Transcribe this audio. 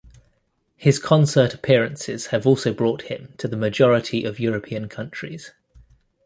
His concert appearances have also brought him to the majority of European countries.